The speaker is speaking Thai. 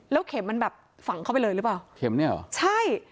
เข็มมันแบบฝังเข้าไปเลยหรือเปล่าเข็มเนี่ยเหรอใช่